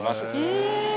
え！